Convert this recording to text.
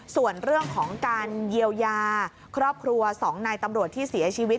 ส่วนเรื่องของการเยียวยาครอบครัว๒นายตำรวจที่เสียชีวิต